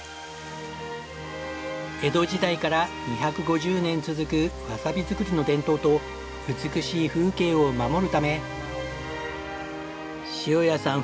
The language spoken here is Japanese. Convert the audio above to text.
江戸時代から２５０年続くわさび作りの伝統と美しい風景を守るため塩谷さん